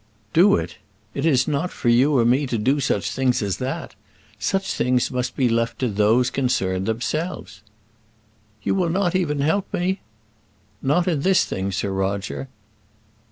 "Do it! It is not for you or me to do such things as that. Such things must be left to those concerned themselves." "You will not even help me?" "Not in this thing, Sir Roger."